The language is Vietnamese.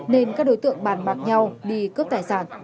nên các đối tượng bàn bạc nhau đi cướp tài sản